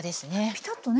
ピタッとね